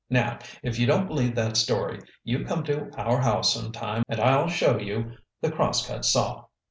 Now, if you don't believe that story, you come to our house sometime and I'll show you the cross cut saw."